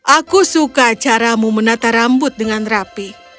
aku suka caramu menata rambut dengan rapi